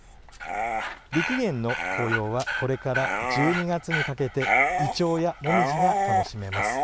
六義園の紅葉はこれから１２月にかけてイチョウやモミジが楽しめます。